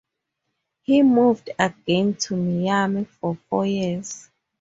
He moved again to Miami for four years.